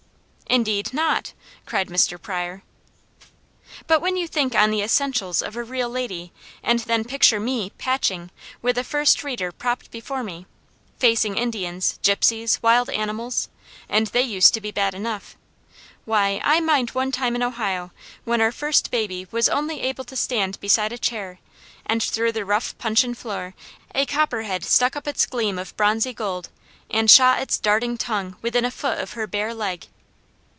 "Indeed not!" cried Mr. Pryor. "But when you think on the essentials of a real lady and then picture me patching, with a First Reader propped before me; facing Indians, Gypsies, wild animals and they used to be bad enough why, I mind one time in Ohio when our first baby was only able to stand beside a chair, and through the rough puncheon floor a copperhead stuck up its gleam of bronzy gold, and shot its darting tongue within a foot of her bare leg.